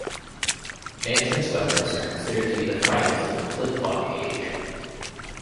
Manton's weapons are considered the finest of the flintlock age.